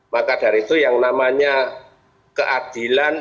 maka dari itu yang namanya keadilan